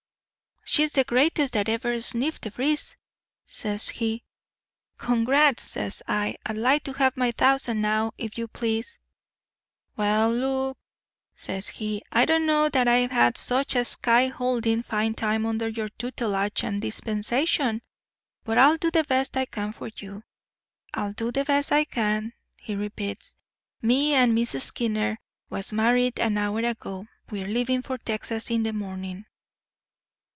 "'She's the greatest that ever sniffed the breeze,' says he. "'Congrats,' says I. 'I'd like to have my thousand now, if you please.' "'Well, Luke,' says he, 'I don't know that I've had such a skyhoodlin' fine time under your tutelage and dispensation. But I'll do the best I can for you—I'll do the best I can,' he repeats. 'Me and Miss Skinner was married an hour ago. We're leaving for Texas in the morning.